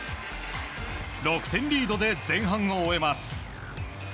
６点リードで前半を終えます。